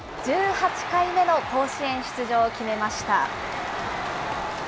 １８回目の甲子園出場を決めました。